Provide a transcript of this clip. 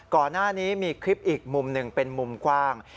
ก่อนหน้านี้มีคลิปอีกมุมหนึ่งเป็นมุมกว้าง